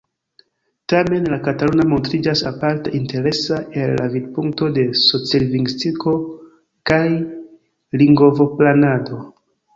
Tamen la kataluna montriĝas aparte interesa el la vidpunkto de socilingvistiko kaj lingvoplanado.